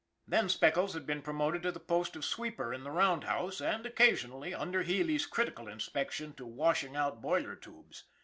SPECKLES 311 Then Speckles had been promoted to the post of sweeper in the roundhouse, and occasionally, under Healy's critical inspection, to washing out boiler tubes.